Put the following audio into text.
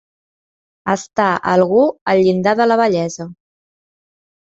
Estar algú al llindar de la vellesa.